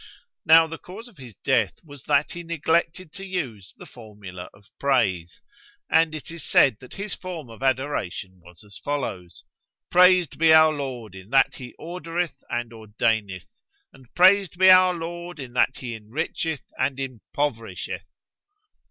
Now the cause of his death was that he neglected to use the formula of praise, and it is said that his form of adoration was as follows, "Praised be our Lord in that He ordereth and ordaineth; and praised be our Lord in that He enricheth and impoverisheth!"